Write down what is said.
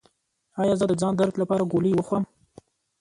ایا زه د ځان درد لپاره ګولۍ وخورم؟